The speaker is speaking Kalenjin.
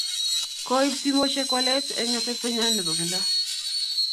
Koib simosyek walet eng' atepto nyo ne bo kila.